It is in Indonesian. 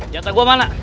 jatah gue mana